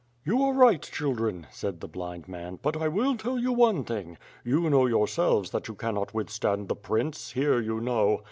"You are right, children," said the blind man, *^ut I will tell you one thing. You know yourselves that you cannot withstand the prince, here, you know.